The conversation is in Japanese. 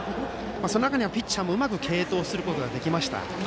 その中では、ピッチャーもうまく継投することができました。